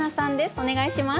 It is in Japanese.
お願いします。